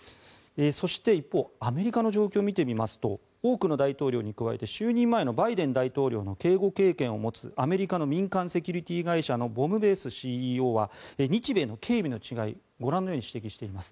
そして、一方アメリカの状況を見てみますと多くの大統領に加えて就任前のバイデン大統領の警護経験を持つアメリカの民間セキュリティー会社のボムベースＣＥＯは日米の警備の違いをご覧のように指摘しています。